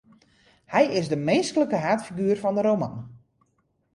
Hy is de minsklike haadfiguer fan de roman.